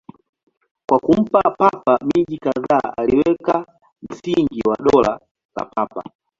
Kwa kumpa Papa miji kadhaa, aliweka msingi wa Dola la Papa.